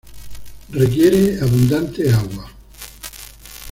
Requiere abundante agua.